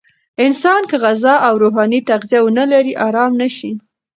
انسان که غذا او روحاني تغذیه ونلري، آرام نه شي.